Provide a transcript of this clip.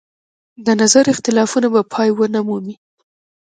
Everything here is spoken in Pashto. د نظر اختلافونه به پای ونه مومي.